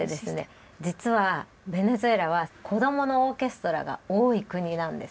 実はベネズエラは子どものオーケストラが多い国なんです。